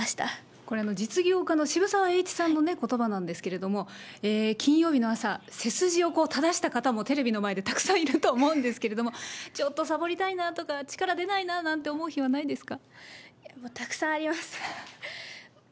これ、実業家の渋沢栄一さんのことばなんですけども、金曜日の朝、背筋をただしたかたも、テレビの前でたくさんいると思うんですけれども、ちょっとさぼりたいなとか、力出ないななんて思う日はないですか？